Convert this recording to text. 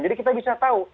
jadi kita bisa tahu